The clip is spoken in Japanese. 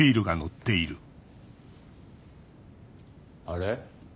あれ？